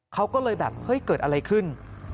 เขาก็เลยแบบเฮ้ยเกิดอะไรขึ้น